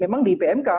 memang di pmk